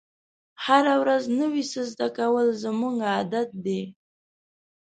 هره ورځ نوی څه زده کول زموږ عادت دی.